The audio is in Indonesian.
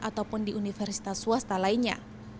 ataupun di universitas swasta lainnya